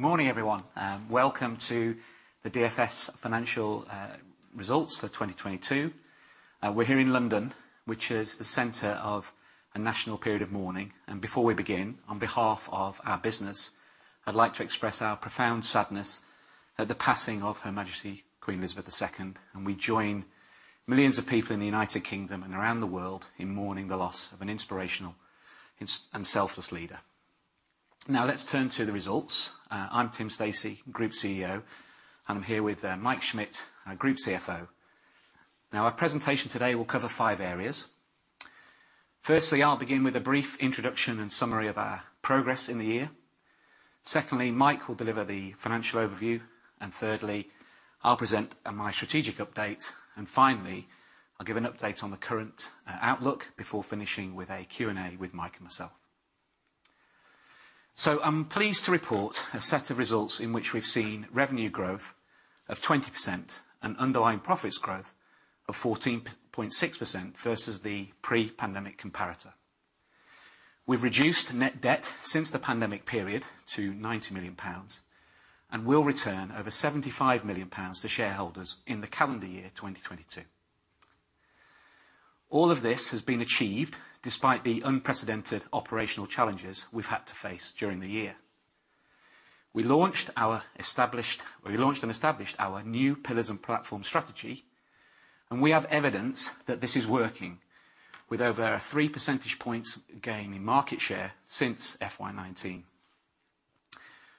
Good morning, everyone. Welcome to the DFS Financial Results for 2022. We're here in London, which is the center of a national period of mourning. Before we begin, on behalf of our business, I'd like to express our profound sadness at the passing of Her Majesty Queen Elizabeth II, and we join millions of people in the United Kingdom and around the world in mourning the loss of an inspirational and selfless leader. Now, let's turn to the results. I'm Tim Stacey, Group CEO, and I'm here with Mike Schmidt, our Group CFO. Now, our presentation today will cover five areas. Firstly, I'll begin with a brief introduction and summary of our progress in the year. Secondly, Mike will deliver the financial overview. Thirdly, I'll present my strategic update. Finally, I'll give an update on the current outlook before finishing with a Q&A with Mike and myself. I'm pleased to report a set of results in which we've seen revenue growth of 20% and underlying profits growth of 14.6% versus the pre-pandemic comparator. We've reduced net debt since the pandemic period to 90 million pounds and will return over 75 million pounds to shareholders in the calendar year 2022. All of this has been achieved despite the unprecedented operational challenges we've had to face during the year. We launched and established our new pillars and platform strategy, and we have evidence that this is working with over 3% points gain in market share since FY 2019.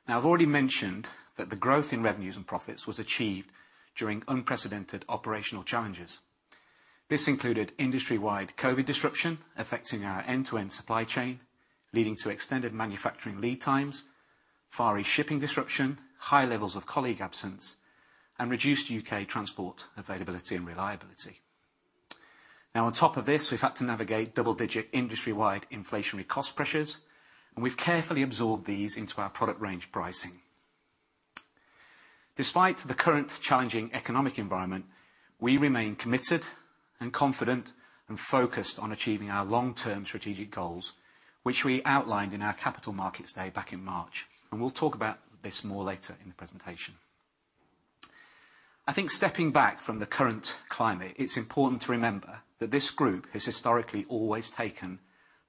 Now, I've already mentioned that the growth in revenues and profits was achieved during unprecedented operational challenges. This included industry-wide COVID disruption affecting our end-to-end supply chain, leading to extended manufacturing lead times, Far East shipping disruption, high levels of colleague absence, and reduced U.K. transport availability and reliability. Now, on top of this, we've had to navigate double-digit industry-wide inflationary cost pressures, and we've carefully absorbed these into our product range pricing. Despite the current challenging economic environment, we remain committed and confident and focused on achieving our long-term strategic goals, which we outlined in our Capital Markets Day back in March, and we'll talk about this more later in the presentation. I think stepping back from the current climate, it's important to remember that this group has historically always taken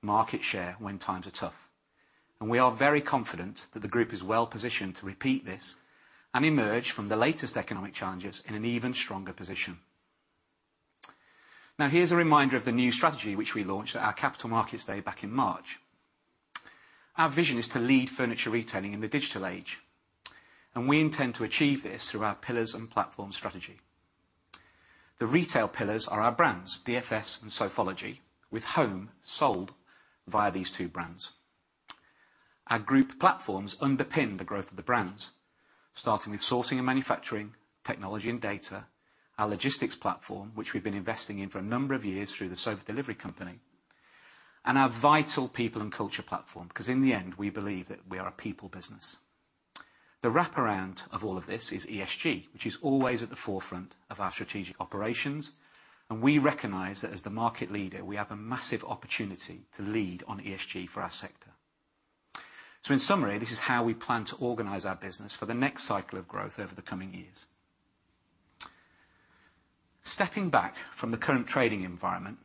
market share when times are tough. We are very confident that the group is well-positioned to repeat this and emerge from the latest economic challenges in an even stronger position. Now, here's a reminder of the new strategy which we launched at our Capital Markets Day back in March. Our vision is to lead furniture retailing in the digital age, and we intend to achieve this through our pillars and platform strategy. The retail pillars are our brands, DFS and Sofology, with Home sold via these two brands. Our group platforms underpin the growth of the brands, starting with sourcing and manufacturing, technology and data, our logistics platform, which we've been investing in for a number of years through the Sofa Delivery Company, and our vital people and culture platform, 'cause in the end, we believe that we are a people business. The wraparound of all of this is ESG, which is always at the forefront of our strategic operations. We recognize that as the market leader, we have a massive opportunity to lead on ESG for our sector. In summary, this is how we plan to organize our business for the next cycle of growth over the coming years. Stepping back from the current trading environment,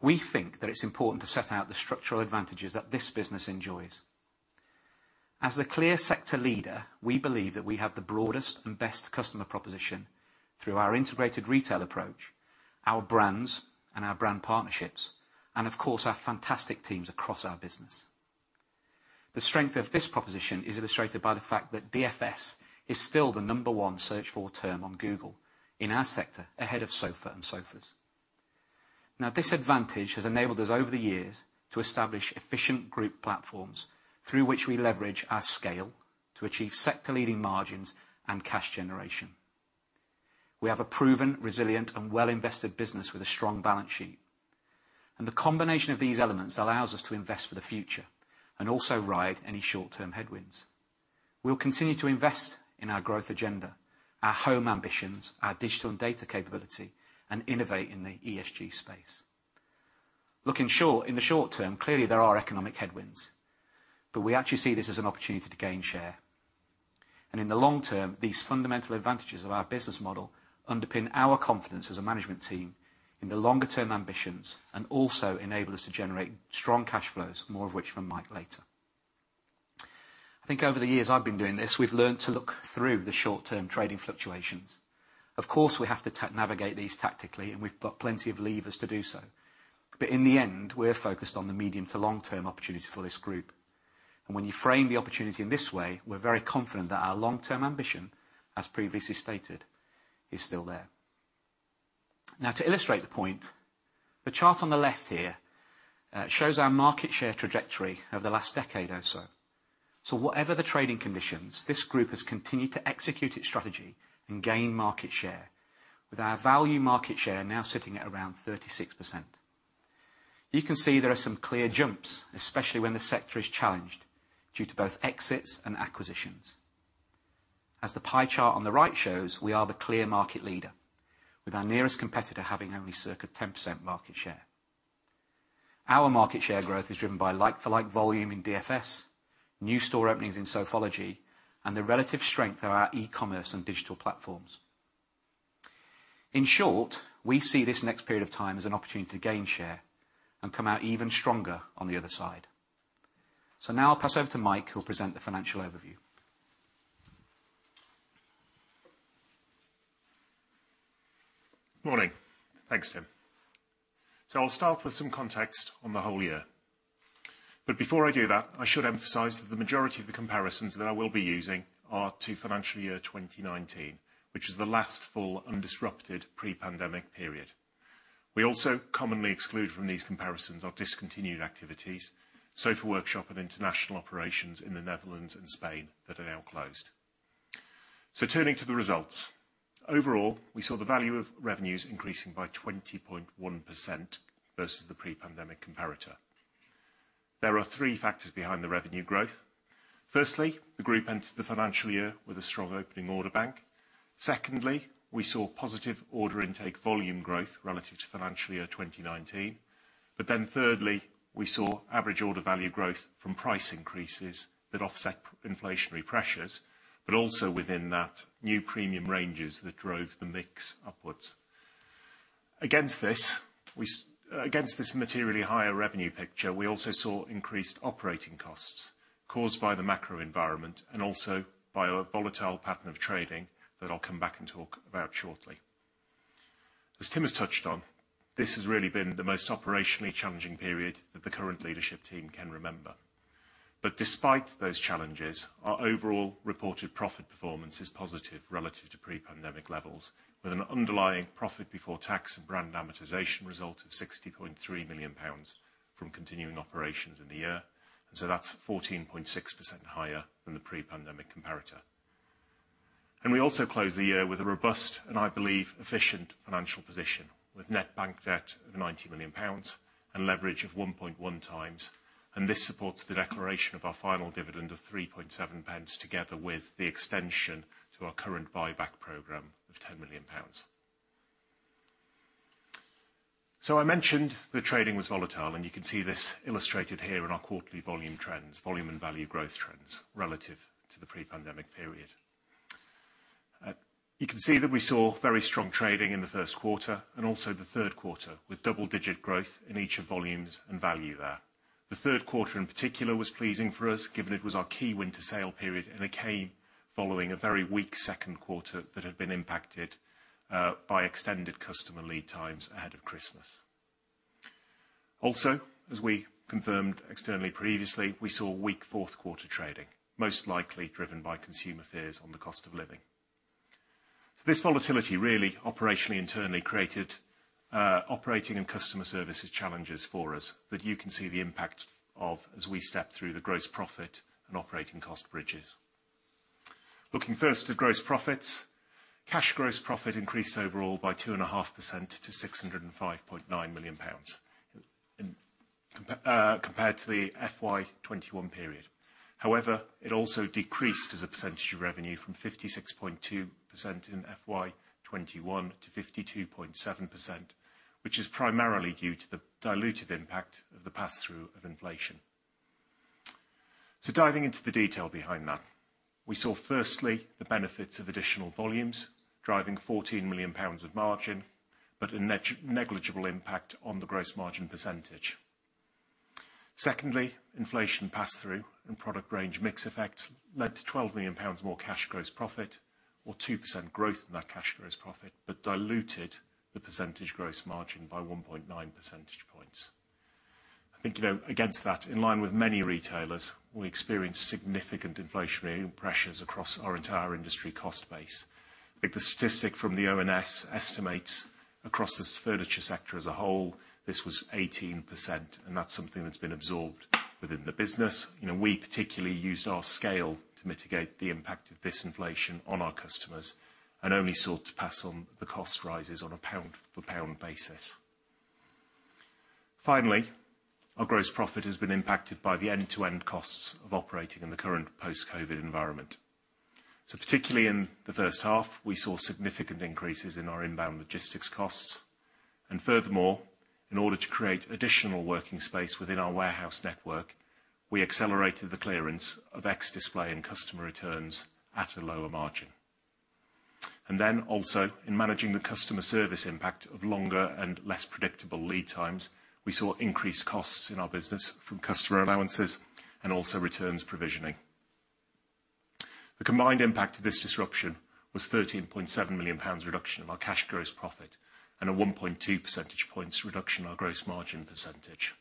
we think that it's important to set out the structural advantages that this business enjoys. As the clear sector leader, we believe that we have the broadest and best customer proposition through our integrated retail approach, our brands and our brand partnerships, and of course, our fantastic teams across our business. The strength of this proposition is illustrated by the fact that DFS is still the number one searched-for term on Google in our sector, ahead of sofa and sofas. Now, this advantage has enabled us over the years to establish efficient group platforms through which we leverage our scale to achieve sector-leading margins and cash generation. We have a proven, resilient and well-invested business with a strong balance sheet. The combination of these elements allows us to invest for the future and also ride any short-term headwinds. We'll continue to invest in our growth agenda, our home ambitions, our digital and data capability, and innovate in the ESG space. Looking short, in the short-term, clearly, there are economic headwinds, but we actually see this as an opportunity to gain share. In the long term, these fundamental advantages of our business model underpin our confidence as a management team in the longer term ambitions and also enable us to generate strong cash flows, more of which from Mike later. I think over the years I've been doing this, we've learned to look through the short-term trading fluctuations. Of course, we have to navigate these tactically, and we've got plenty of levers to do so. In the end, we're focused on the medium to long-term opportunity for this group. When you frame the opportunity in this way, we're very confident that our long-term ambition, as previously stated, is still there. Now, to illustrate the point, the chart on the left here shows our market share trajectory over the last decade or so. Whatever the trading conditions, this group has continued to execute its strategy and gain market share with our value market share now sitting at around 36%. You can see there are some clear jumps, especially when the sector is challenged due to both exits and acquisitions. As the pie chart on the right shows, we are the clear market leader, with our nearest competitor having only circa 10% market share. Our market share growth is driven by like for like volume in DFS, new store openings in Sofology, and the relative strength of our e-commerce and digital platforms. In short, we see this next period of time as an opportunity to gain share and come out even stronger on the other side. Now I'll pass over to Mike, who'll present the financial overview. Morning. Thanks, Tim. I'll start with some context on the whole year. Before I do that, I should emphasize that the majority of the comparisons that I will be using are to financial year 2019, which is the last full undisrupted pre-pandemic period. We also commonly exclude from these comparisons our discontinued activities, Sofa Workshop and international operations in the Netherlands and Spain that are now closed. Turning to the results. Overall, we saw the value of revenues increasing by 20.1% versus the pre-pandemic comparator. There are three factors behind the revenue growth. Firstly, the group entered the financial year with a strong opening order bank. Secondly, we saw positive order intake volume growth relative to financial year 2019. Thirdly, we saw average order value growth from price increases that offset inflationary pressures, but also within that new premium ranges that drove the mix upwards. Against this materially higher revenue picture, we also saw increased operating costs caused by the macro environment and also by a volatile pattern of trading that I'll come back and talk about shortly. As Tim has touched on, this has really been the most operationally challenging period that the current leadership team can remember. Despite those challenges, our overall reported profit performance is positive relative to pre-pandemic levels, with an underlying profit before tax and brand amortization result of 60.3 million pounds from continuing operations in the year. That's 14.6% higher than the pre-pandemic comparator. We also close the year with a robust and, I believe, efficient financial position, with net bank debt of 90 million pounds and leverage of 1.1x. This supports the declaration of our final dividend of 3.7 pence together with the extension to our current buyback program of 10 million pounds. I mentioned the trading was volatile, and you can see this illustrated here in our quarterly volume trends, volume and value growth trends relative to the pre-pandemic period. You can see that we saw very strong trading in the first quarter and also the third quarter, with double-digit growth in each of volumes and value there. The third quarter in particular was pleasing for us, given it was our key winter sale period and it came following a very weak second quarter that had been impacted by extended customer lead times ahead of Christmas. Also, as we confirmed externally previously, we saw weak fourth quarter trading, most likely driven by consumer fears on the cost of living. This volatility really operationally, internally created operating and customer services challenges for us that you can see the impact of as we step through the gross profit and operating cost bridges. Looking first at gross profits. Cash gross profit increased overall by 2.5% to 605.9 million pounds compared to the FY 2021 period. However, it also decreased as a percentage of revenue from 56.2% in FY 2021 to 52.7%, which is primarily due to the dilutive impact of the pass-through of inflation. Diving into the detail behind that. We saw firstly the benefits of additional volumes driving 14 million pounds of margin, but a net negligible impact on the gross margin percentage. Secondly, inflation pass-through and product range mix effects led to 12 million pounds more cash gross profit or 2% growth in that cash gross profit, but diluted the percentage gross margin by 1.9% points. I think, you know, against that, in line with many retailers, we experienced significant inflationary pressures across our entire industry cost base. I think the statistic from the ONS estimates across the furniture sector as a whole, this was 18%, and that's something that's been absorbed within the business. You know, we particularly used our scale to mitigate the impact of this inflation on our customers and only sought to pass on the cost rises on a pound-for-pound basis. Finally, our gross profit has been impacted by the end-to-end costs of operating in the current post-COVID environment. Particularly in the first half, we saw significant increases in our inbound logistics costs. Furthermore, in order to create additional working space within our warehouse network, we accelerated the clearance of ex-display and customer returns at a lower margin. Also in managing the customer service impact of longer and less predictable lead times, we saw increased costs in our business from customer allowances and also returns provisioning. The combined impact of this disruption was GBP 13.7 million reduction in our cash gross profit and a 1.2% points reduction in our gross margin percentage.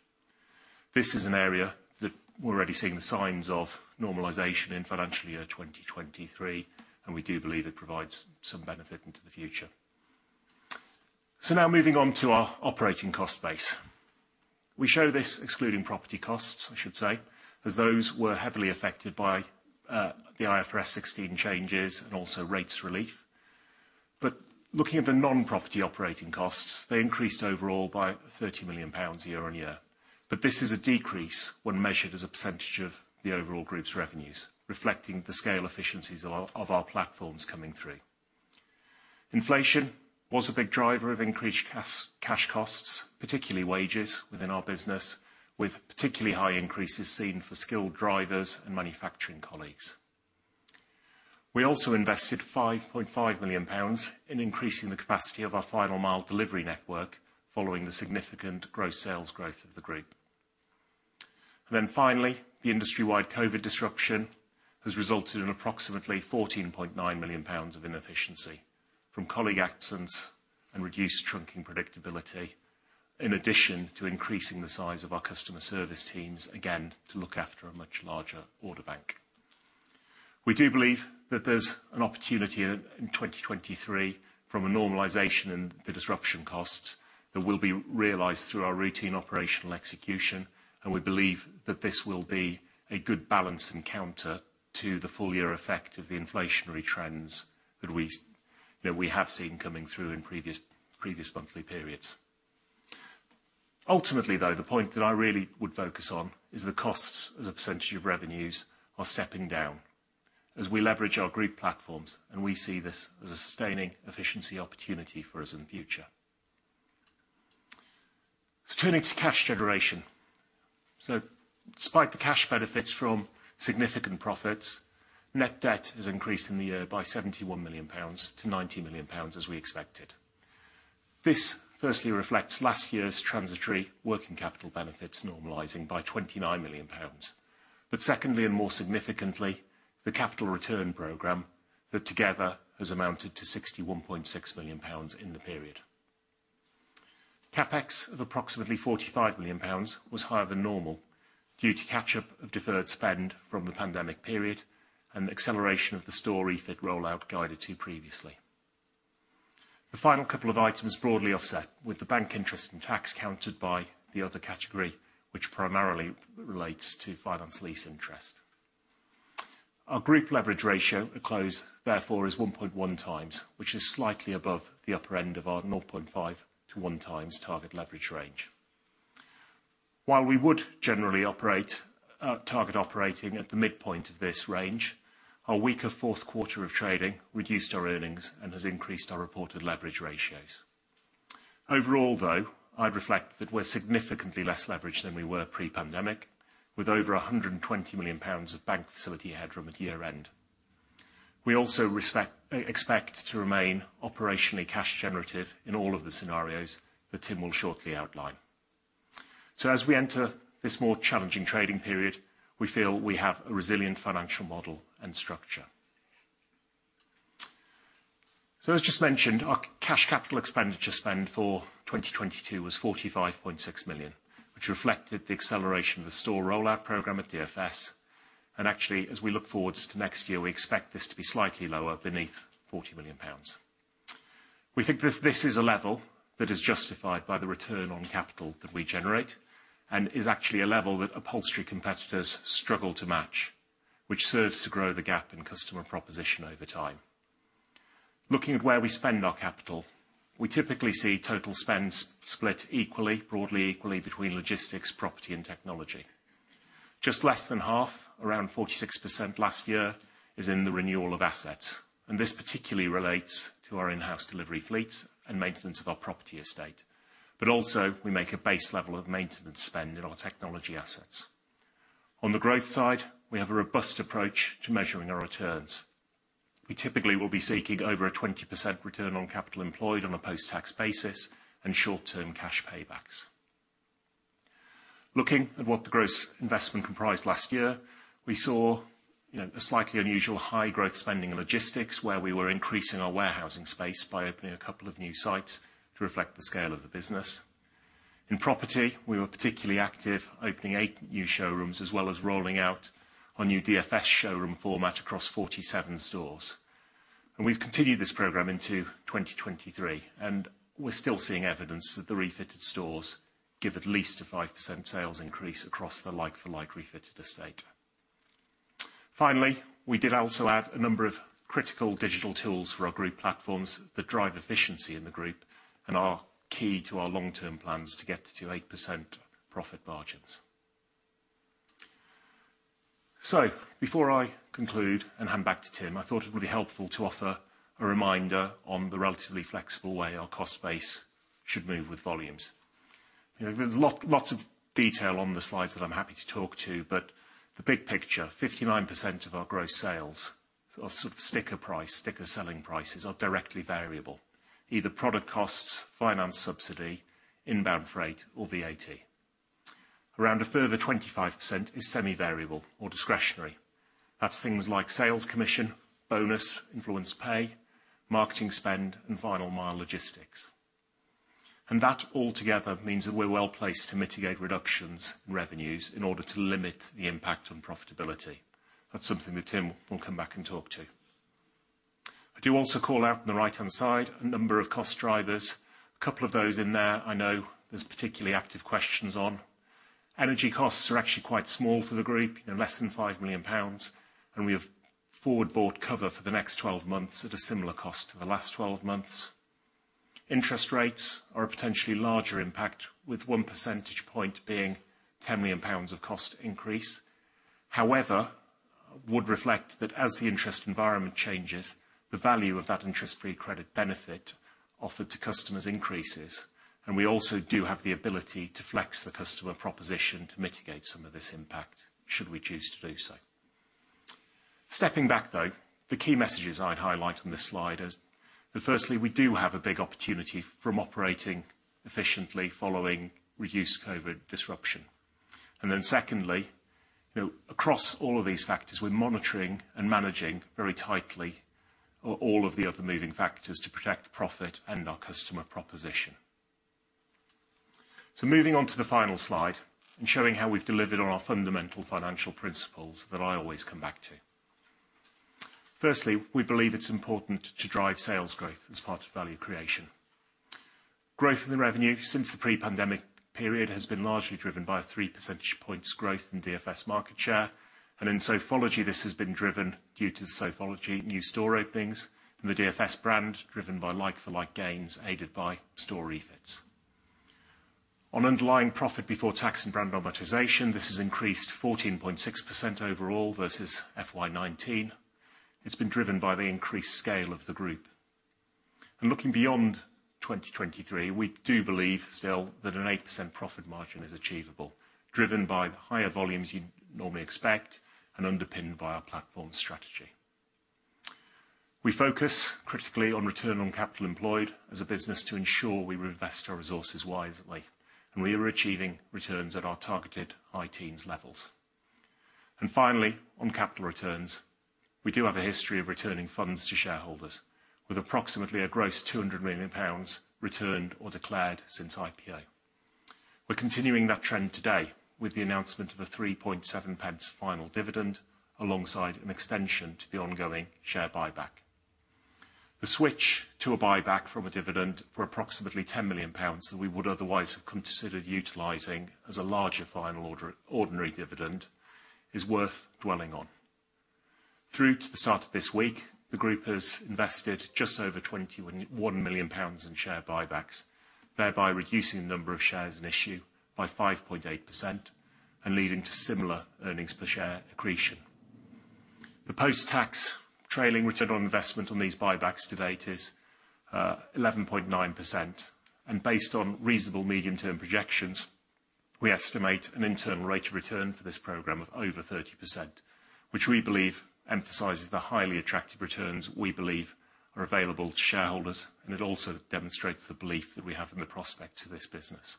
This is an area that we're already seeing the signs of normalization in financial year 2023, and we do believe it provides some benefit into the future. Now moving on to our operating cost base. We show this excluding property costs, I should say, as those were heavily affected by the IFRS 16 changes and also rates relief. Looking at the non-property operating costs, they increased overall by 30 million pounds year-on-year. This is a decrease when measured as a percentage of the overall group's revenues, reflecting the scale efficiencies of our platforms coming through. Inflation was a big driver of increased cash costs, particularly wages within our business, with particularly high increases seen for skilled drivers and manufacturing colleagues. We also invested 5.5 million pounds in increasing the capacity of our final mile delivery network following the significant gross sales growth of the group. The industry-wide COVID disruption has resulted in approximately 14.9 million pounds of inefficiency from colleague absence and reduced trunking predictability, in addition to increasing the size of our customer service teams, again, to look after a much larger order bank. We do believe that there's an opportunity in 2023 from a normalization in the disruption costs that will be realized through our routine operational execution, and we believe that this will be a good balance and counter to the full year effect of the inflationary trends that we, you know, we have seen coming through in previous monthly periods. Ultimately, though, the point that I really would focus on is the costs as a percentage of revenues are stepping down as we leverage our group platforms, and we see this as a sustaining efficiency opportunity for us in the future. Turning to cash generation. Despite the cash benefits from significant profits, net debt has increased in the year by 71 million-90 million pounds, as we expected. This firstly reflects last year's transitory working capital benefits normalizing by 29 million pounds. Secondly, and more significantly, the capital return program that together has amounted to 61.6 million pounds in the period. CapEx of approximately 45 million pounds was higher than normal due to catch-up of deferred spend from the pandemic period and the acceleration of the store refit rollout guided to previously. The final couple of items broadly offset, with the bank interest and tax countered by the other category, which primarily relates to finance lease interest. Our group leverage ratio at close, therefore, is 1.1x, which is slightly above the upper end of our 0.5-1x target leverage range. While we would generally operate target operating at the midpoint of this range, our weaker fourth quarter of trading reduced our earnings and has increased our reported leverage ratios. Overall, though, I'd reflect that we're significantly less leveraged than we were pre-pandemic, with over 120 million pounds of bank facility headroom at year-end. We also expect to remain operationally cash generative in all of the scenarios that Tim will shortly outline. As we enter this more challenging trading period, we feel we have a resilient financial model and structure. As just mentioned, our cash capital expenditure spend for 2022 was 45.6 million, which reflected the acceleration of the store rollout program at DFS. Actually, as we look forward to next year, we expect this to be slightly lower, beneath 40 million pounds. We think this is a level that is justified by the return on capital that we generate and is actually a level that upholstery competitors struggle to match, which serves to grow the gap in customer proposition over time. Looking at where we spend our capital, we typically see total spends split equally, broadly equally between logistics, property and technology. Just less than half, around 46% last year, is in the renewal of assets, and this particularly relates to our in-house delivery fleets and maintenance of our property estate. We make a base level of maintenance spend in our technology assets. On the growth side, we have a robust approach to measuring our returns. We typically will be seeking over 20% return on capital employed on a post-tax basis and short-term cash paybacks. Looking at what the gross investment comprised last year, we saw, you know, a slightly unusual high-growth spending in logistics, where we were increasing our warehousing space by opening a couple of new sites to reflect the scale of the business. In property, we were particularly active, opening eight new showrooms, as well as rolling out our new DFS showroom format across 47 stores. We've continued this program into 2023, and we're still seeing evidence that the refitted stores give at least a 5% sales increase across the like for like refitted estate. Finally, we did also add a number of critical digital tools for our group platforms that drive efficiency in the group and are key to our long-term plans to get to 8% profit margins. Before I conclude and hand back to Tim, I thought it would be helpful to offer a reminder on the relatively flexible way our cost base should move with volumes. You know, there's lots of detail on the slides that I'm happy to talk to, but the big picture, 59% of our gross sales, or sort of sticker price, sticker selling prices, are directly variable, either product costs, finance subsidy, inbound freight or VAT. Around a further 25% is semi-variable or discretionary. That's things like sales commission, bonus, influenced pay, marketing spend, and final mile logistics. That all together means that we're well-placed to mitigate reductions in revenues in order to limit the impact on profitability. That's something that Tim will come back and talk to. I do also call out on the right-hand side a number of cost drivers. A couple of those in there I know there's particularly active questions on. Energy costs are actually quite small for the group, you know, less than 5 million pounds, and we have forward-bought cover for the next 12 months at a similar cost to the last 12 months. Interest rates are a potentially larger impact, with 1% point being 10 million pounds of cost increase. However, would reflect that as the interest environment changes, the value of that interest-free credit benefit offered to customers increases, and we also do have the ability to flex the customer proposition to mitigate some of this impact, should we choose to do so. Stepping back, though, the key messages I'd highlight on this slide is that firstly, we do have a big opportunity from operating efficiently following reduced COVID disruption. Secondly, you know, across all of these factors, we're monitoring and managing very tightly all of the other moving factors to protect profit and our customer proposition. Moving on to the final slide and showing how we've delivered on our fundamental financial principles that I always come back to. Firstly, we believe it's important to drive sales growth as part of value creation. Growth in the revenue since the pre-pandemic period has been largely driven by a 3% points growth in DFS market share. In Sofology this has been driven due to Sofology new store openings and the DFS brand, driven by like-for-like gains, aided by store refits. On underlying profit before tax and brand amortization, this has increased 14.6% overall versus FY 2019. It's been driven by the increased scale of the group. Looking beyond 2023, we do believe still that an 8% profit margin is achievable, driven by the higher volumes you'd normally expect and underpinned by our platform strategy. We focus critically on return on capital employed as a business to ensure we invest our resources wisely, and we are achieving returns at our targeted high teens levels. Finally, on capital returns, we do have a history of returning funds to shareholders with approximately a gross 200 million pounds returned or declared since IPO. We're continuing that trend today with the announcement of a 3.7 pence final dividend alongside an extension to the ongoing share buyback. The switch to a buyback from a dividend for approximately 10 million pounds that we would otherwise have considered utilizing as a larger final ordinary dividend is worth dwelling on. Through to the start of this week, the group has invested just over 21 million pounds in share buybacks, thereby reducing the number of shares in issue by 5.8% and leading to similar earnings per share accretion. The post-tax trailing return on investment on these buybacks to date is 11.9%. Based on reasonable medium-term projections, we estimate an internal rate of return for this program of over 30%, which we believe emphasizes the highly attractive returns we believe are available to shareholders, and it also demonstrates the belief that we have in the prospects of this business.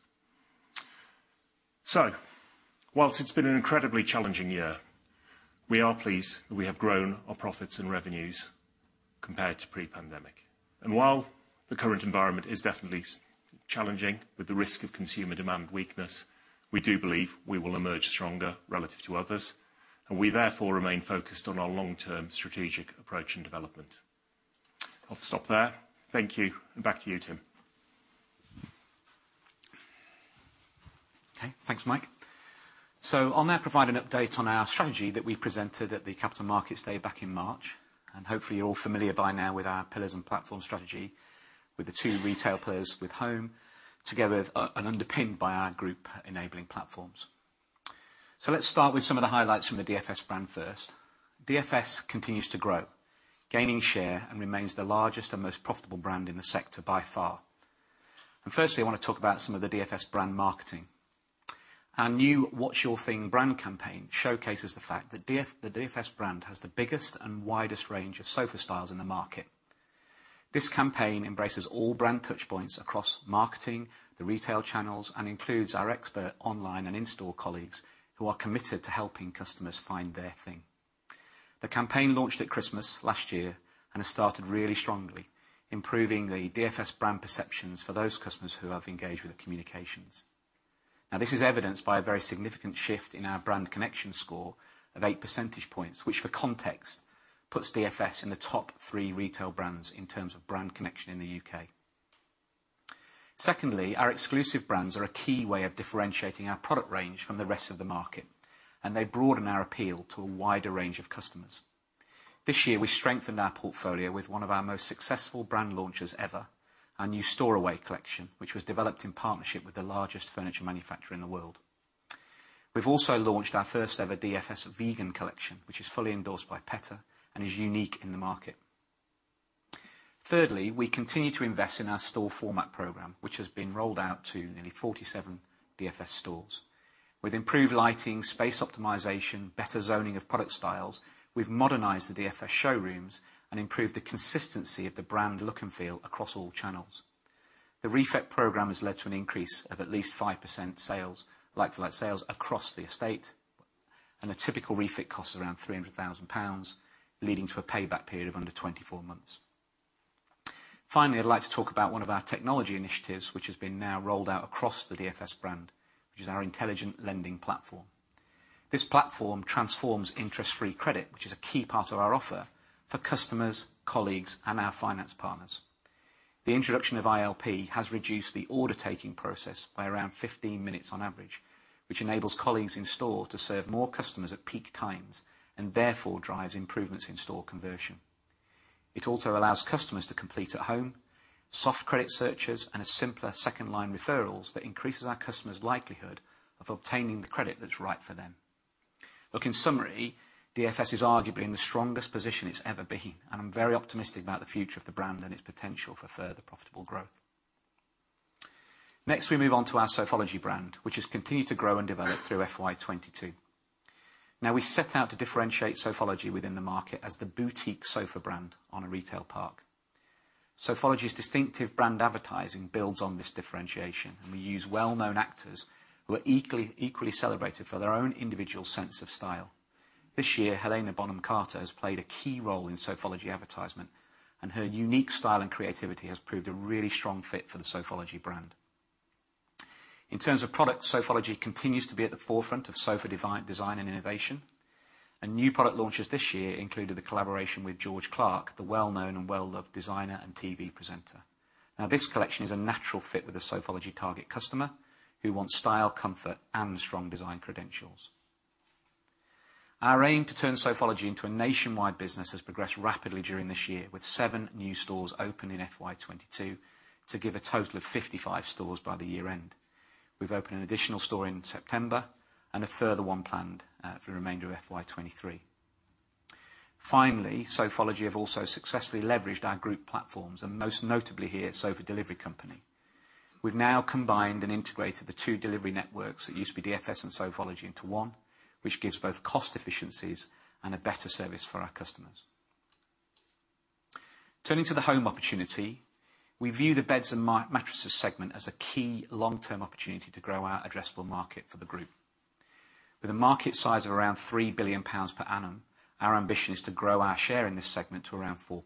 While it's been an incredibly challenging year, we are pleased that we have grown our profits and revenues compared to pre-pandemic. While the current environment is definitely challenging with the risk of consumer demand weakness, we do believe we will emerge stronger relative to others, and we therefore remain focused on our long-term strategic approach and development. I'll stop there. Thank you, and back to you, Tim. Okay. Thanks, Mike. I'll now provide an update on our strategy that we presented at the Capital Markets Day back in March, and hopefully you're all familiar by now with our pillars and platform strategy with the two retail players with Home, and underpinned by our group-enabling platforms. Let's start with some of the highlights from the DFS brand first. DFS continues to grow, gaining share and remains the largest and most profitable brand in the sector by far. Firstly, I wanna talk about some of the DFS brand marketing. Our new What's Your Thing? Brand campaign showcases the fact that the DFS brand has the biggest and widest range of sofa styles in the market. This campaign embraces all brand touchpoints across marketing, the retail channels, and includes our expert online and in-store colleagues who are committed to helping customers find their thing. The campaign launched at Christmas last year and has started really strongly, improving the DFS brand perceptions for those customers who have engaged with the communications. Now, this is evidenced by a very significant shift in our brand connection score of 8% points, which for context, puts DFS in the top three retail brands in terms of brand connection in the U.K. Secondly, our exclusive brands are a key way of differentiating our product range from the rest of the market, and they broaden our appeal to a wider range of customers. This year we strengthened our portfolio with one of our most successful brand launches ever, our new Storeaway collection, which was developed in partnership with the largest furniture manufacturer in the world. We've also launched our first ever DFS Vegan collection, which is fully endorsed by PETA and is unique in the market. Thirdly, we continue to invest in our store format program, which has been rolled out to nearly 47 DFS stores. With improved lighting, space optimization, better zoning of product styles, we've modernized the DFS showrooms and improved the consistency of the brand look and feel across all channels. The refit program has led to an increase of at least 5% sales, like-for-like sales, across the estate. A typical refit costs around 300,000 pounds, leading to a payback period of under 24 months. Finally, I'd like to talk about one of our technology initiatives, which has been now rolled out across the DFS brand, which is our Intelligent Lending Platform. This platform transforms interest-free credit, which is a key part of our offer for customers, colleagues, and our finance partners. The introduction of ILP has reduced the order taking process by around 15 minutes on average, which enables colleagues in store to serve more customers at peak times and therefore drives improvements in store conversion. It also allows customers to complete at home soft credit searches, and simpler second line referrals that increases our customers' likelihood of obtaining the credit that's right for them. Look, in summary, DFS is arguably in the strongest position it's ever been in, and I'm very optimistic about the future of the brand and its potential for further profitable growth. Next, we move onto our Sofology brand, which has continued to grow and develop through FY 2022. Now, we set out to differentiate Sofology within the market as the boutique sofa brand on a retail park. Sofology's distinctive brand advertising builds on this differentiation, and we use well-known actors who are equally celebrated for their own individual sense of style. This year, Helena Bonham Carter has played a key role in Sofology advertisement, and her unique style and creativity has proved a really strong fit for the Sofology brand. In terms of product, Sofology continues to be at the forefront of sofa design and innovation. New product launches this year included the collaboration with George Clarke, the well-known and well-loved designer and TV presenter. Now this collection is a natural fit with the Sofology target customer who wants style, comfort, and strong design credentials. Our aim to turn Sofology into a Nationwide business has progressed rapidly during this year, with seven new stores opening in FY 2022 to give a total of 55 stores by the year end. We've opened an additional store in September and a further one planned for the remainder of FY 2023. Finally, Sofology have also successfully leveraged our group platforms, and most notably here, Sofa Delivery Company. We've now combined and integrated the two delivery networks that used to be DFS and Sofology into one, which gives both cost efficiencies and a better service for our customers. Turning to the home opportunity, we view the beds and mattresses segment as a key long-term opportunity to grow our addressable market for the group. With a market size of around 3 billion pounds per annum, our ambition is to grow our share in this segment to around 4%.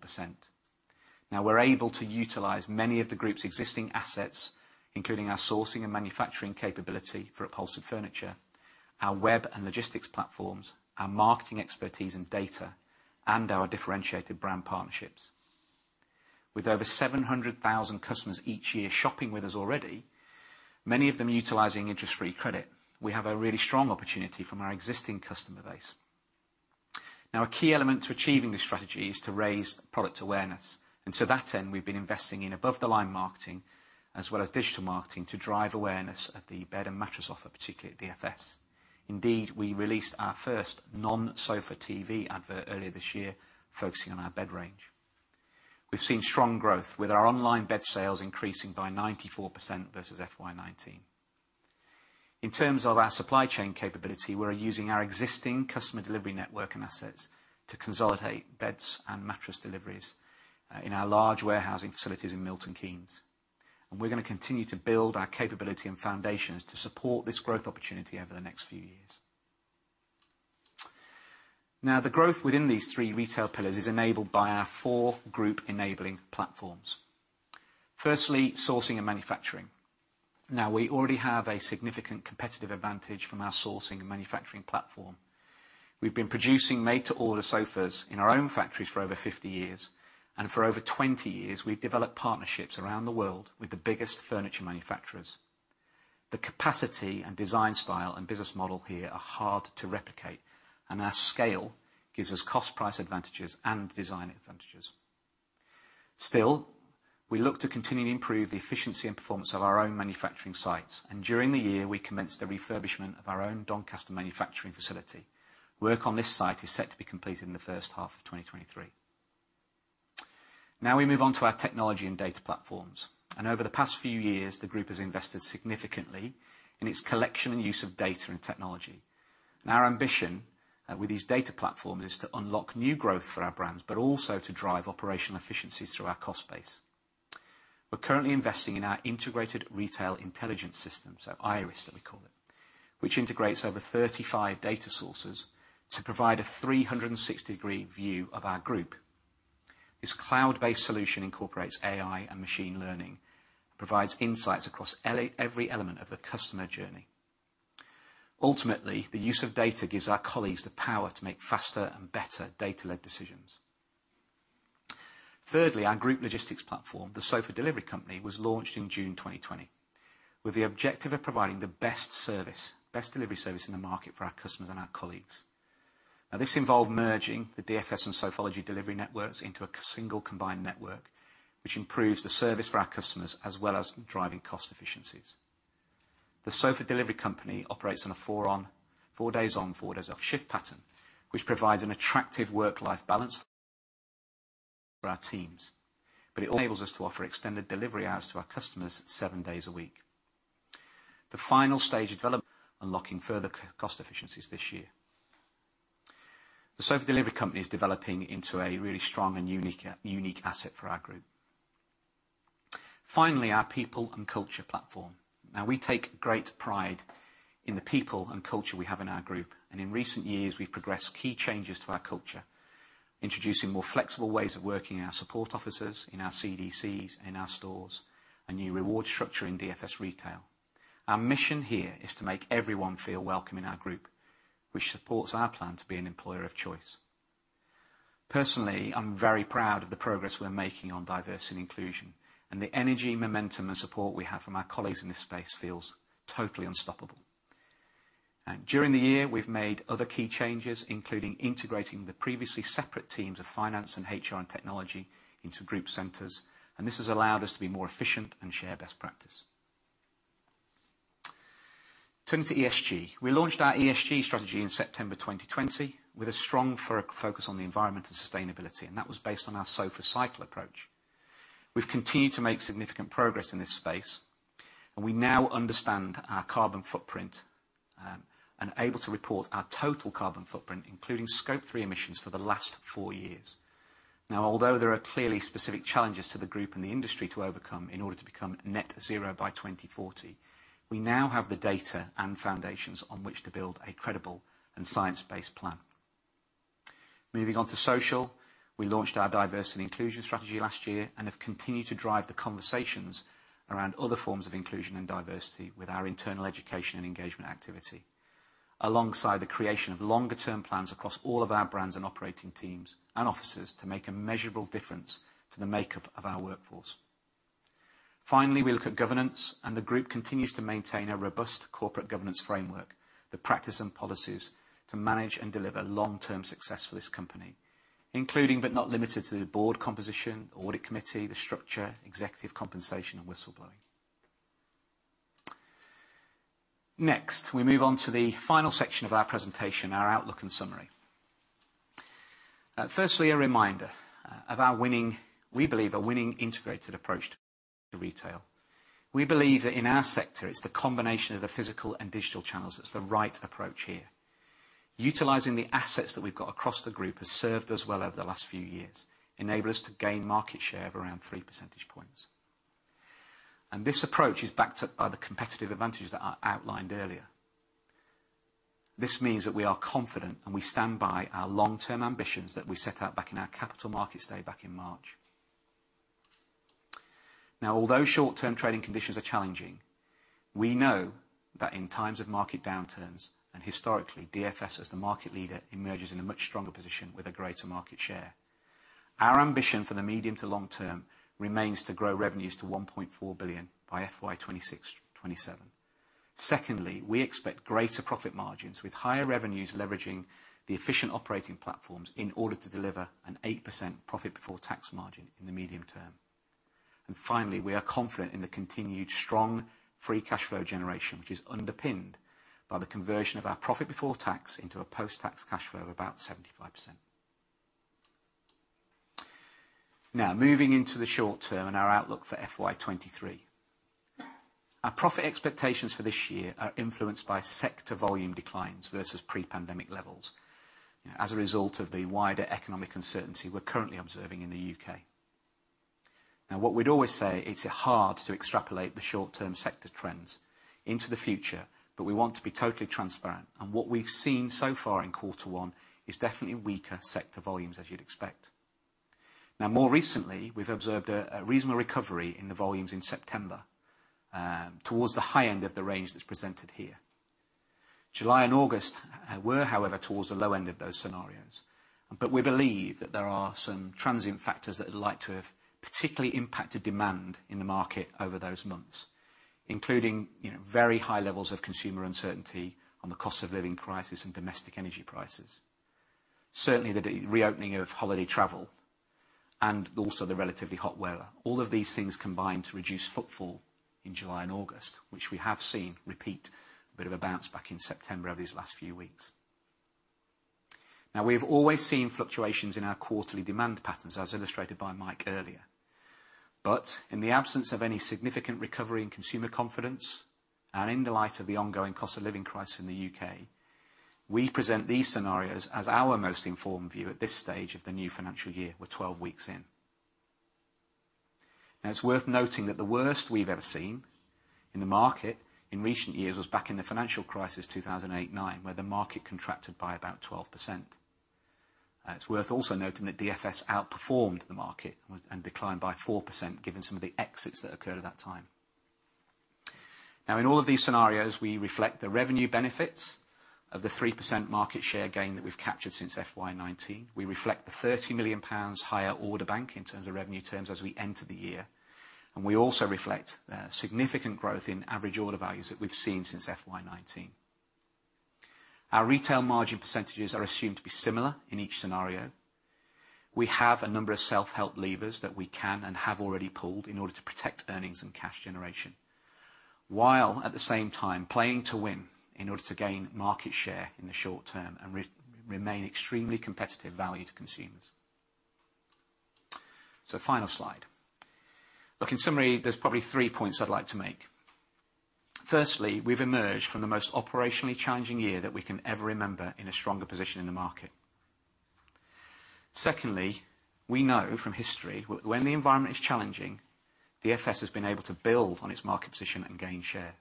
Now, we're able to utilize many of the group's existing assets, including our sourcing and manufacturing capability for upholstered furniture, our web and logistics platforms, our marketing expertise and data, and our differentiated brand partnerships. With over 700,000 customers each year shopping with us already, many of them utilizing interest-free credit, we have a really strong opportunity from our existing customer base. Now, a key element to achieving this strategy is to raise product awareness. To that end, we've been investing in above the line marketing as well as digital marketing to drive awareness of the bed and mattress offer, particularly at DFS. Indeed, we released our first non-sofa TV advert earlier this year, focusing on our bed range. We've seen strong growth, with our online bed sales increasing by 94% versus FY 2019. In terms of our supply chain capability, we're using our existing customer delivery network and assets to consolidate beds and mattress deliveries in our large warehousing facilities in Milton Keynes. We're gonna continue to build our capability and foundations to support this growth opportunity over the next few years. Now, the growth within these three retail pillars is enabled by our four group-enabling platforms. Firstly, sourcing and manufacturing. Now, we already have a significant competitive advantage from our sourcing and manufacturing platform. We've been producing made-to-order sofas in our own factories for over 50 years, and for over 20 years we've developed partnerships around the world with the biggest furniture manufacturers. The capacity and design style and business model here are hard to replicate, and our scale gives us cost price advantages and design advantages. Still, we look to continue to improve the efficiency and performance of our own manufacturing sites, and during the year, we commenced a refurbishment of our own Doncaster manufacturing facility. Work on this site is set to be completed in the first half of 2023. Now we move onto our technology and data platforms. Over the past few years, the group has invested significantly in its collection and use of data and technology. Our ambition with these data platforms is to unlock new growth for our brands, but also to drive operational efficiencies through our cost base. We're currently investing in our Integrated Retail Intelligence System, so IRIS that we call it, which integrates over 35 data sources to provide a 360-degree view of our group. This cloud-based solution incorporates AI and machine learning. It provides insights across every element of the customer journey. Ultimately, the use of data gives our colleagues the power to make faster and better data-led decisions. Thirdly, our group logistics platform, The Sofa Delivery Company, was launched in June 2020 with the objective of providing the best service, best delivery service in the market for our customers and our colleagues. Now, this involved merging the DFS and Sofology delivery networks into a single combined network which improves the service for our customers as well as driving cost efficiencies. The Sofa Delivery Company operates on a four days on, four days off shift pattern, which provides an attractive work-life balance for our teams. It also enables us to offer extended delivery hours to our customers seven days a week. The final stage of development will be unlocking further cost efficiencies this year. The Sofa Delivery Company is developing into a really strong and unique asset for our group. Finally, our people and culture platform. Now, we take great pride in the people and culture we have in our group, and in recent years, we've progressed key changes to our culture, introducing more flexible ways of working in our support offices, in our CDCs, in our stores, a new reward structure in DFS Retail. Our mission here is to make everyone feel welcome in our group, which supports our plan to be an employer of choice. Personally, I'm very proud of the progress we're making on diversity and inclusion, and the energy, momentum, and support we have from our colleagues in this space feels totally unstoppable. During the year, we've made other key changes, including integrating the previously separate teams of finance and HR and technology into group centers. This has allowed us to be more efficient and share best practice. Turning to ESG. We launched our ESG strategy in September 2020 with a strong focus on the environment and sustainability, and that was based on our Sofa Cycle approach. We've continued to make significant progress in this space, and we now understand our carbon footprint, and able to report our total carbon footprint, including Scope 3 emissions for the last four years. Now, although there are clearly specific challenges to the group and the industry to overcome in order to become net zero by 2040, we now have the data and foundations on which to build a credible and science-based plan. Moving on to social. We launched our diversity inclusion strategy last year and have continued to drive the conversations around other forms of inclusion and diversity with our internal education and engagement activity, alongside the creation of longer-term plans across all of our brands and operating teams and officers to make a measurable difference to the makeup of our workforce. Finally, we look at governance, and the group continues to maintain a robust corporate governance framework, the practice and policies to manage and deliver long-term success for this company, including, but not limited to the board composition, audit committee, the structure, executive compensation, and whistleblowing. Next, we move on to the final section of our presentation, our outlook and summary. Firstly, a reminder of our winning, we believe, integrated approach to retail. We believe that in our sector, it's the combination of the physical and digital channels that's the right approach here. Utilizing the assets that we've got across the group has served us well over the last few years, enabled us to gain market share of around 3 percentage points. This approach is backed up by the competitive advantages that I outlined earlier. This means that we are confident and we stand by our long-term ambitions that we set out back in our Capital Markets Day back in March. Now, although short-term trading conditions are challenging, we know that in times of market downturns and historically, DFS as the market leader emerges in a much stronger position with a greater market share. Our ambition for the medium to long term remains to grow revenues to 1.4 billion by FY 2026-2027. Secondly, we expect greater profit margins with higher revenues leveraging the efficient operating platforms in order to deliver an 8% profit before tax margin in the medium term. Finally, we are confident in the continued strong free cash flow generation, which is underpinned by the conversion of our profit before tax into a post-tax cash flow of about 75%. Now, moving into the short term and our outlook for FY 2023. Our profit expectations for this year are influenced by sector volume declines versus pre-pandemic levels as a result of the wider economic uncertainty we're currently observing in the U.K. Now, what we'd always say, it's hard to extrapolate the short-term sector trends into the future, but we want to be totally transparent. What we've seen so far in quarter one is definitely weaker sector volumes, as you'd expect. Now, more recently, we've observed a reasonable recovery in the volumes in September, towards the high end of the range that's presented here. July and August were, however, towards the low end of those scenarios. We believe that there are some transient factors that are likely to have particularly impacted demand in the market over those months, including, you know, very high levels of consumer uncertainty on the cost of living crisis and domestic energy prices. Certainly the reopening of holiday travel and also the relatively hot weather. All of these things combined to reduce footfall in July and August, which we have seen repeat a bit of a bounce back in September over these last few weeks. Now, we have always seen fluctuations in our quarterly demand patterns, as illustrated by Mike earlier. In the absence of any significant recovery in consumer confidence and in the light of the ongoing cost of living crisis in the U.K., We present these scenarios as our most informed view at this stage of the new financial year. We're 12 weeks in. Now, it's worth noting that the worst we've ever seen in the market in recent years was back in the financial crisis, 2008-2009, where the market contracted by about 12%. It's worth also noting that DFS outperformed the market and declined by 4% given some of the exits that occurred at that time. Now, in all of these scenarios, we reflect the revenue benefits of the 3% market share gain that we've captured since FY 2019. We reflect the 30 million pounds higher order book in terms of revenue terms as we enter the year. We also reflect significant growth in average order values that we've seen since FY 19. Our retail margin percentages are assumed to be similar in each scenario. We have a number of self-help levers that we can and have already pulled in order to protect earnings and cash generation, while at the same time playing to win in order to gain market share in the short term and remain extremely competitive value to consumers. Final slide. Look, in summary, there's probably three points I'd like to make. Firstly, we've emerged from the most operationally challenging year that we can ever remember in a stronger position in the market. Secondly, we know from history when the environment is challenging, DFS has been able to build on its market position and gain share.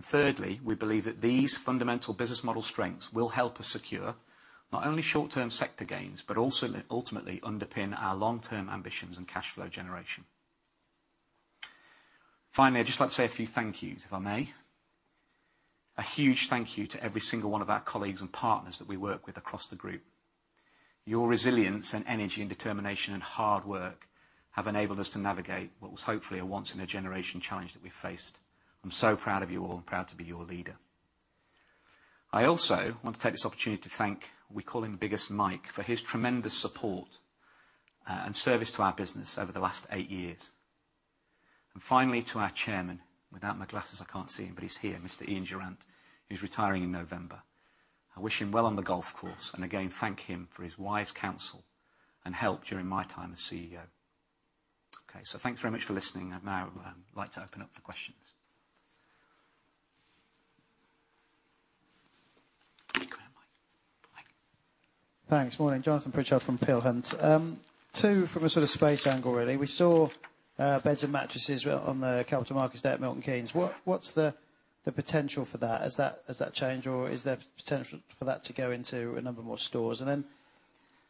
Thirdly, we believe that these fundamental business model strengths will help us secure not only short-term sector gains, but also ultimately underpin our long-term ambitions and cash flow generation. Finally, I'd just like to say a few thank yous, if I may. A huge thank you to every single one of our colleagues and partners that we work with across the group. Your resilience and energy and determination and hard work have enabled us to navigate what was hopefully a once in a generation challenge that we faced. I'm so proud of you all and proud to be your leader. I also want to take this opportunity to thank, we call him Mike Schmidt, for his tremendous support, and service to our business over the last eight years. Finally, to our chairman, without my glasses I can't see him, but he's here, Mr. Ian Durant, who's retiring in November. I wish him well on the golf course, and again thank him for his wise counsel and help during my time as CEO. Okay, so thanks very much for listening. I'd now like to open up for questions. You can have mine. Mike? Thanks. Morning, Jonathan Pritchard from Peel Hunt. Two from a sort of space angle, really. We saw beds and mattresses on the Capital Markets Day there at Milton Keynes. What's the potential for that? Has that changed, or is there potential for that to go into a number more stores?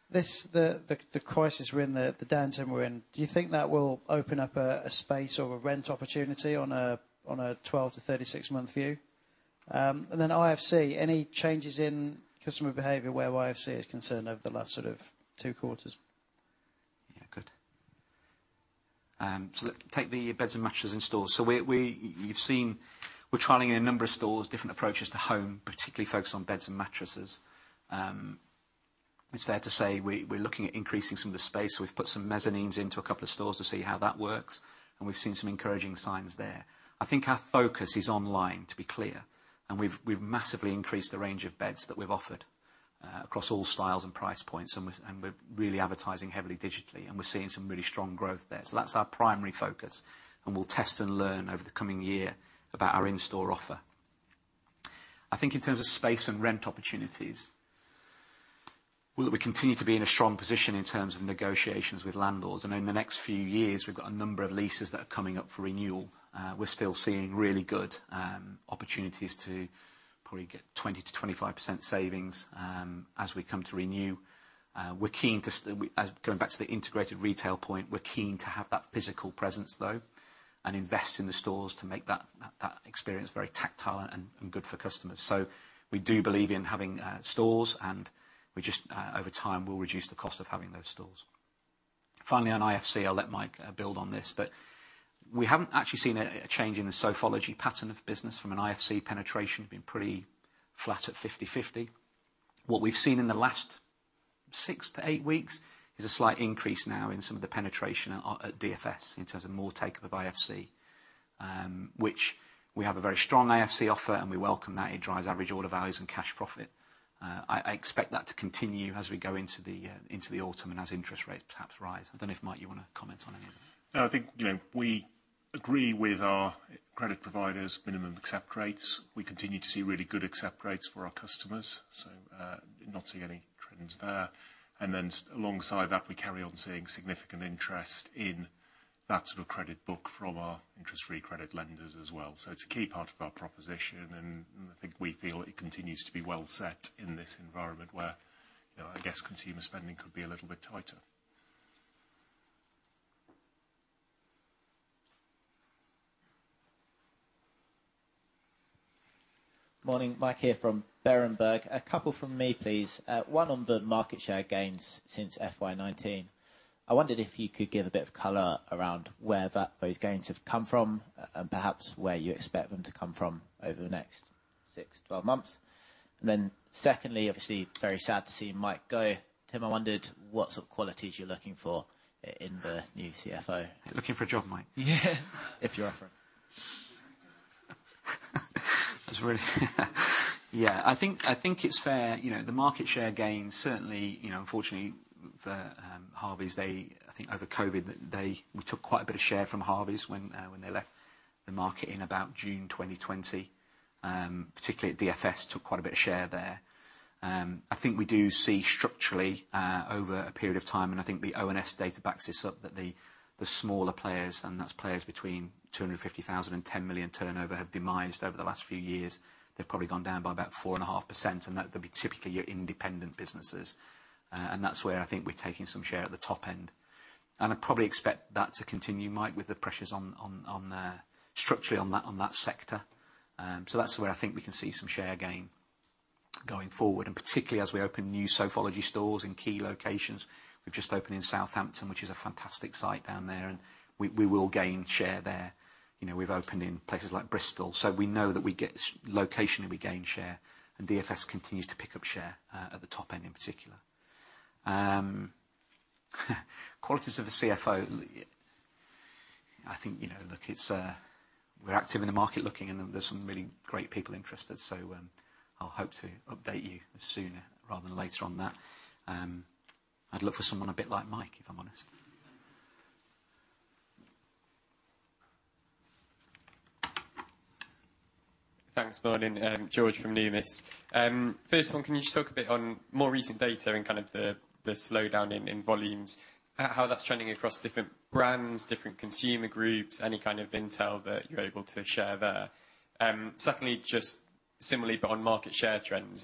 This crisis we're in, the downturn we're in, do you think that will open up a space or a rent opportunity on a 12- to 36-month view? IFC, any changes in customer behavior where IFC is concerned over the last two quarters? Yeah, good. Look, take the beds and mattresses in stores. You've seen we're trialing in a number of stores, different approaches to Home, particularly focused on beds and mattresses. It's fair to say we're looking at increasing some of the space. We've put some mezzanines into a couple of stores to see how that works, and we've seen some encouraging signs there. I think our focus is online, to be clear, and we've massively increased the range of beds that we've offered, across all styles and price points, and we're really advertising heavily digitally, and we're seeing some really strong growth there. That's our primary focus, and we'll test and learn over the coming year about our in-store offer. I think in terms of space and rent opportunities, well, look, we continue to be in a strong position in terms of negotiations with landlords. In the next few years, we've got a number of leases that are coming up for renewal. We're still seeing really good opportunities to probably get 20-25% savings as we come to renew. We're keen to, as going back to the integrated retail point, we're keen to have that physical presence though and invest in the stores to make that experience very tactile and good for customers. We do believe in having stores and we just over time will reduce the cost of having those stores. Finally, on IFC, I'll let Mike build on this, but we haven't actually seen a change in the Sofology pattern of business from an IFC penetration. Been pretty flat at 50/50. What we've seen in the last six-eight weeks is a slight increase now in some of the penetration at DFS in terms of more take up of IFC, which we have a very strong IFC offer, and we welcome that. It drives average order values and cash profit. I expect that to continue as we go into the autumn and as interest rates perhaps rise. I don't know if, Mike, you wanna comment on any of that? No. I think, you know, we agree with our credit providers' minimum accept rates. We continue to see really good accept rates for our customers, so not seeing any trends there. Then alongside that, we carry on seeing significant interest in that sort of credit book from our interest-free credit lenders as well. It's a key part of our proposition, and I think we feel it continues to be well set in this environment where, you know, I guess consumer spending could be a little bit tighter. Morning. Mike here from Berenberg. A couple from me, please. One on the market share gains since FY 2019. I wondered if you could give a bit of color around where that, those gains have come from and perhaps where you expect them to come from over the next six to 12 months. Then secondly, obviously very sad to see Mike go. Tim, I wondered what sort of qualities you're looking for in the new CFO. Looking for a job, Mike? Yeah if you're offering. I think it's fair, you know, the market share gains certainly, you know, unfortunately for Harveys, they, I think over Covid, we took quite a bit of share from Harveys when they left the market in about June 2020. Particularly at DFS, took quite a bit of share there. I think we do see structurally over a period of time, and I think the ONS data backs this up, that the smaller players, and that's players between 250,000 and 10 million turnover, have demised over the last few years. They've probably gone down by about 4.5%, and that they'll be typically your independent businesses. That's where I think we're taking some share at the top end. I probably expect that to continue, Mike, with the pressures structurally on that sector. That's where I think we can see some share gain going forward, and particularly as we open new Sofology stores in key locations. We've just opened in Southampton, which is a fantastic site down there, and we will gain share there. You know, we've opened in places like Bristol, so we know that we get strategic location and we gain share, and DFS continues to pick up share at the top end, in particular. Qualities of the CFO. I think, you know, look, it's we're active in the market looking, and then there's some really great people interested, so I'll hope to update you sooner rather than later on that. I'd look for someone a bit like Mike, if I'm honest. Thanks. Morning, George from Numis. First one, can you just talk a bit on more recent data and kind of the slowdown in volumes, how that's trending across different brands, different consumer groups, any kind of Intel that you're able to share there? Secondly, just similarly, but on market share trends,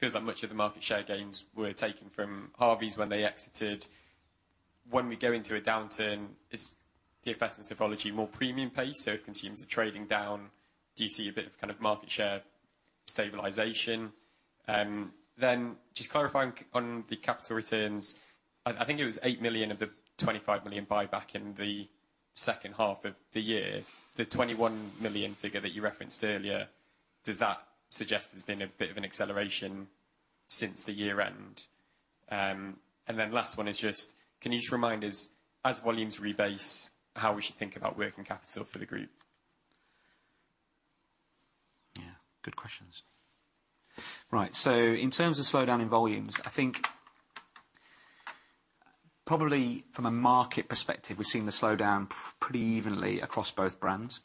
feels like much of the market share gains were taken from Harveys when they exited. When we go into a downturn, is DFS and Sofology more premium-paced? If consumers are trading down, do you see a bit of kind of market share stabilization? Just clarifying on the capital returns, I think it was 8 million of the 25 million buyback in the second half of the year. The 21 million figure that you referenced earlier, does that suggest there's been a bit of an acceleration since the year end? Last one is just, can you remind us, as volumes rebase, how we should think about working capital for the group? Yeah, good questions. Right, so in terms of slowdown in volumes, I think probably from a market perspective, we've seen the slowdown pretty evenly across both brands.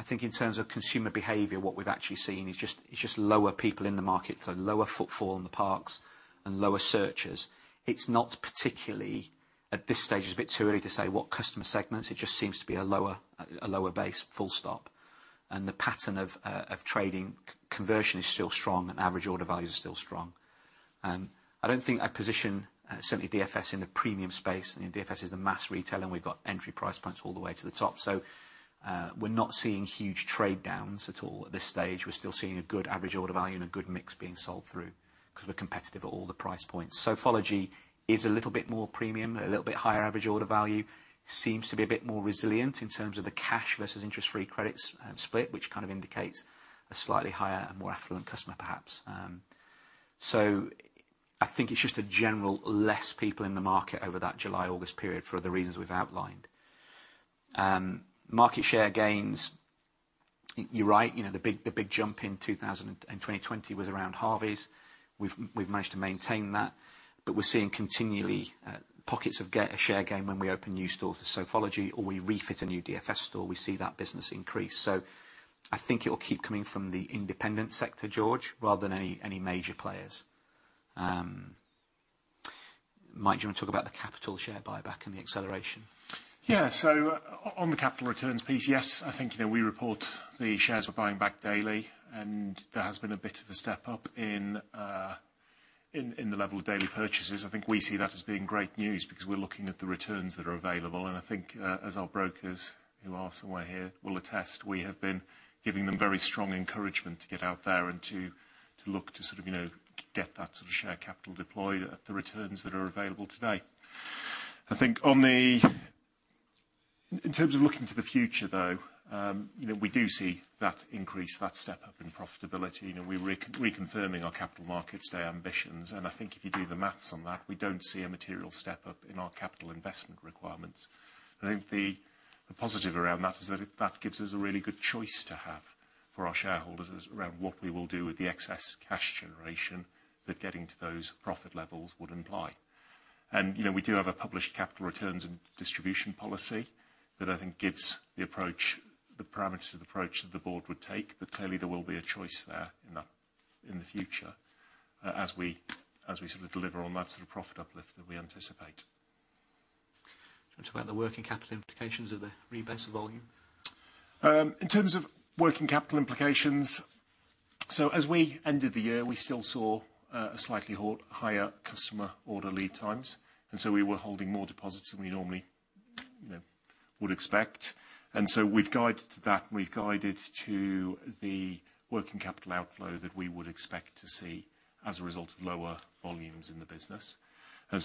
I think in terms of consumer behavior, what we've actually seen is just lower people in the market, so lower footfall in the parks and lower searches. It's not particularly. At this stage, it's a bit too early to say what customer segments. It just seems to be a lower base, full stop. The pattern of trading, conversion is still strong and average order value is still strong. I don't think I position certainly DFS in the premium space. I mean, DFS is the mass retailer, and we've got entry price points all the way to the top. We're not seeing huge trade downs at all at this stage. We're still seeing a good average order value and a good mix being sold through, 'cause we're competitive at all the price points. Sofology is a little bit more premium, a little bit higher average order value. Seems to be a bit more resilient in terms of the cash versus interest-free credits, split, which kind of indicates a slightly higher and more affluent customer perhaps. I think it's just a general less people in the market over that July-August period for the reasons we've outlined. Market share gains, you're right. You know, the big jump in 2020 was around Harveys. We've managed to maintain that, but we're seeing continually, pockets of share gain when we open new stores for Sofology or we refit a new DFS store, we see that business increase. I think it'll keep coming from the independent sector, George, rather than any major players. Mike, do you wanna talk about the capital share buyback and the acceleration? Yeah. On the capital returns piece, yes, I think, you know, we report the shares we're buying back daily, and there has been a bit of a step up in the level of daily purchases. I think we see that as being great news, because we're looking at the returns that are available. I think, as our brokers, who are somewhere here, will attest, we have been giving them very strong encouragement to get out there and to look to sort of, you know, get that sort of share capital deployed at the returns that are available today. I think. In terms of looking to the future, though, you know, we do see that increase, that step up in profitability. You know, we're reconfirming our Capital Markets Day ambitions. I think if you do the math on that, we don't see a material step up in our capital investment requirements. I think the positive around that is that it gives us a really good choice to have for our shareholders around what we will do with the excess cash generation that getting to those profit levels would imply. You know, we do have a published capital returns and distribution policy that I think gives the approach, the parameters to the approach that the board would take. Clearly there will be a choice there in the future as we sort of deliver on that sort of profit uplift that we anticipate. Do you wanna talk about the working capital implications of the rebase of volume? In terms of working capital implications, as we ended the year, we still saw a slightly higher customer order lead times, and we were holding more deposits than we normally, you know, would expect. We've guided to that, and we've guided to the working capital outflow that we would expect to see as a result of lower volumes in the business.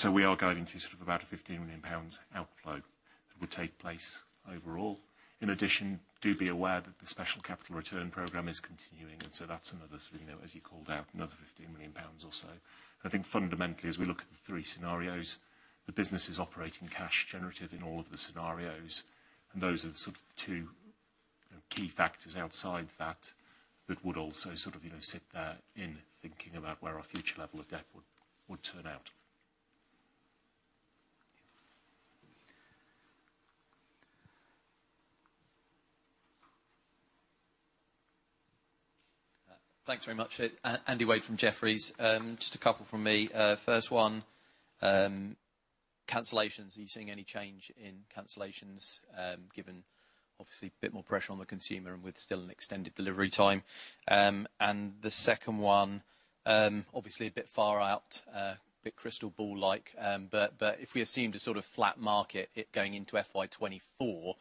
We are guiding to sort of about a 15 million pounds outflow that would take place overall. In addition, do be aware that the special capital return program is continuing, and that's another sort of, you know, as you called out, another 15 million pounds or so. I think fundamentally, as we look at the three scenarios, the business is operating cash generative in all of the scenarios. Those are the sort of two key factors outside that that would also sort of, you know, sit there in thinking about where our future level of debt would turn out. Yeah. Thanks very much. Andy Wade from Jefferies. Just a couple from me. First one, cancellations. Are you seeing any change in cancellations, given obviously a bit more pressure on the consumer and with still an extended delivery time? The second one, obviously a bit far out, a bit crystal ball-like, but if we assume a sort of flat market going into FY 2024,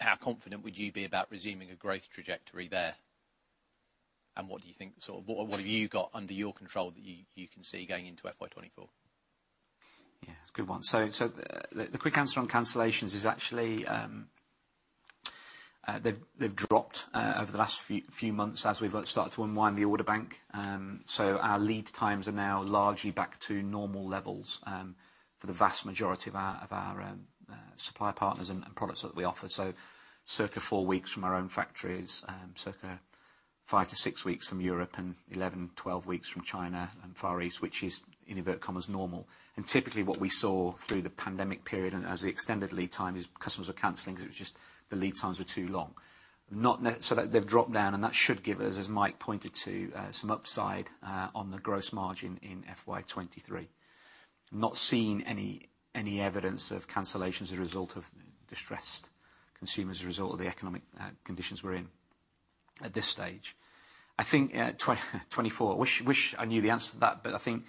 how confident would you be about resuming a growth trajectory there? What do you think, sort of what have you got under your control that you can see going into FY 2024? Yeah, it's a good one. The quick answer on cancellations is actually they've dropped over the last few months as we've started to unwind the order bank. Our lead times are now largely back to normal levels for the vast majority of our supply partners and products that we offer. Circa four weeks from our own factories, Circa five-six weeks from Europe and 11-12 weeks from China and Far East, which is, in inverted commas, normal. Typically what we saw through the pandemic period and as the extended lead time is customers were canceling 'cause it was just the lead times were too long. That they've dropped down, and that should give us, as Mike pointed to, some upside on the gross margin in FY 2023. Not seeing any evidence of cancellations as a result of distressed consumers as a result of the economic conditions we're in. At this stage. I think 2024. Wish I knew the answer to that, but I think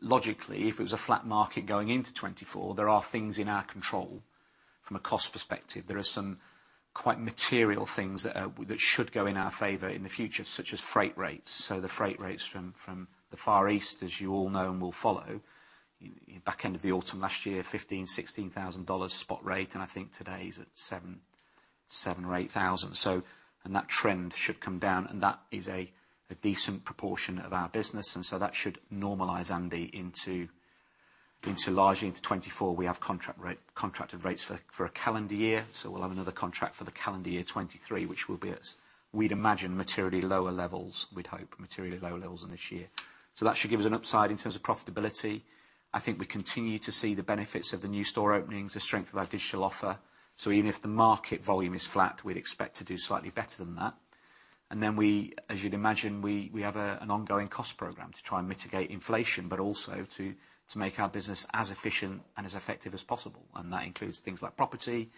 logically, if it was a flat market going into 2024, there are things in our control from a cost perspective. There are some quite material things that should go in our favor in the future, such as freight rates. The freight rates from the Far East, as you all know and will follow, in back end of the autumn last year, $15,000-$16,000 spot rate, and I think today it's at $7,000-$8,000. That trend should come down, and that is a decent proportion of our business. That should normalize, Andy, largely into 2024. We have contracted rates for a calendar year, so we'll have another contract for the calendar year 2023, which will be at, we'd imagine, materially lower levels, we'd hope materially lower levels than this year. That should give us an upside in terms of profitability. I think we continue to see the benefits of the new store openings, the strength of our digital offer. Even if the market volume is flat, we'd expect to do slightly better than that. We, as you'd imagine, have an ongoing cost program to try and mitigate inflation, but also to make our business as efficient and as effective as possible. That includes things like property.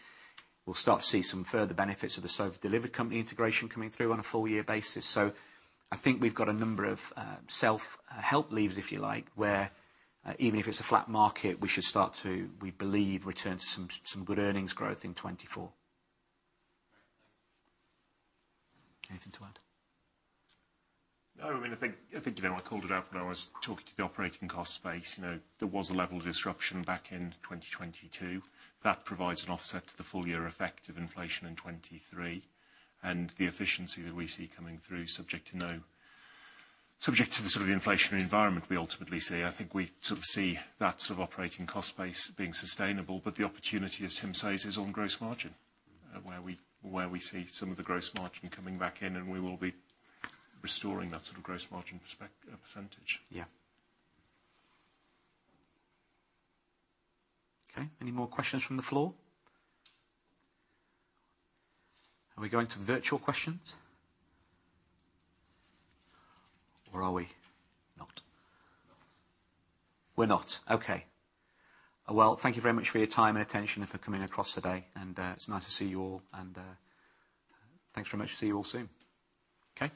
We'll start to see some further benefits of the Sofa Delivery Company integration coming through on a full year basis. I think we've got a number of self-help levers, if you like, where even if it's a flat market, we should start to, we believe, return to some good earnings growth in 2024. Great. Thank you. Anything to add? No. I mean, I think, you know, I called it out when I was talking to the operating cost space. You know, there was a level of disruption back in 2022. That provides an offset to the full year effect of inflation in 2023. The efficiency that we see coming through, subject to the sort of inflationary environment we ultimately see, I think we sort of see that sort of operating cost base being sustainable. The opportunity, as Tim says, is on gross margin, where we see some of the gross margin coming back in, and we will be restoring that sort of gross margin percentage. Yeah. Okay. Any more questions from the floor? Are we going to virtual questions? Or are we not? Not. We're not. Okay. Well, thank you very much for your time and attention and for coming across today, and it's nice to see you all. Thanks very much. See you all soon. Okay.